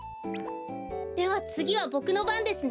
ではつぎはボクのばんですね。